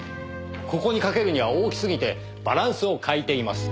ここに掛けるには大きすぎてバランスを欠いています。